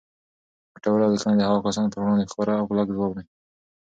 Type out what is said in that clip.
ګټوره لیکنه د هغو کسانو پر وړاندې ښکاره او کلک ځواب دی